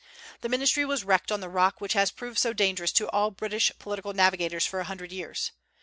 The ministry was wrecked on the rock which has proved so dangerous to all British political navigators for a hundred years.